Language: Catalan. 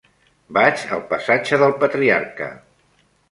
Vaig al passatge del Patriarca.